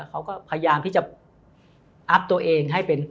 เขาก็พยายามที่จะอัพตัวเองให้เป็น